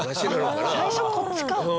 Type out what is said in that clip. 最初こっちか。